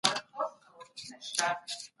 د شکر ناروغي د وینې شکر لوړوي.